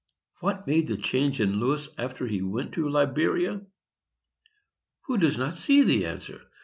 What made the change in Lewis after he went to Liberia? Who does not see the answer?